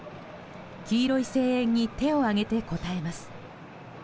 黄色い声援に手を上げて応えます。